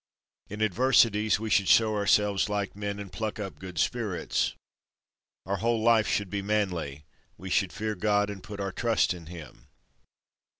In adversities we should show ourselves like men, and pluck up good spirits. Our whole life should be manly; we should fear God and put our trust in him.